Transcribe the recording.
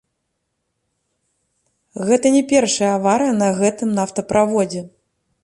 Гэта не першая аварыя на гэтым нафтаправодзе.